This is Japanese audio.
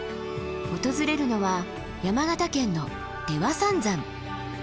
訪れるのは山形県の出羽三山。